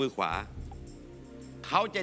เกิดวันเสาร์ครับ